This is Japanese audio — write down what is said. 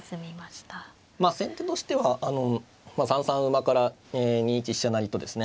まあ先手としては３三馬から２一飛車成とですね